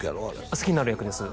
あれ好きになる役です